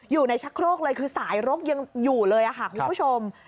อยู่ในชักโครกเลยคือสายรกยังอยู่เลยค่ะคุณผู้ชม